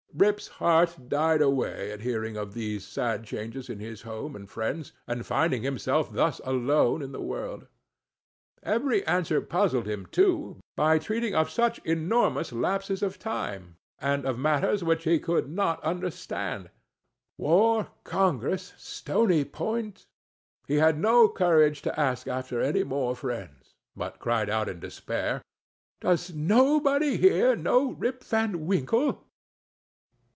Rip's heart died away at hearing of these sad changes in his home and friends, and finding himself thus alone in the world. Every answer puzzled him, too, by treating of such enormous lapses of time, and of matters which he could not understand: war—congress—Stony Point;—he had no courage to ask after any more friends, but cried out in despair, "Does nobody here know Rip Van Winkle?"